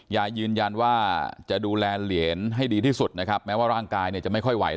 ยืนยันว่าจะดูแลเหรียญให้ดีที่สุดนะครับแม้ว่าร่างกายเนี่ยจะไม่ค่อยไหว